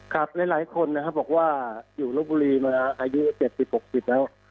ครับหลายคนบอกว่าอยู่ลบุรีมาอายุ๗๐๖๐แล้ว